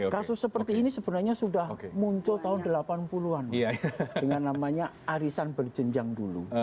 kasus seperti ini sebenarnya sudah muncul tahun delapan puluh an dengan namanya arisan berjenjang dulu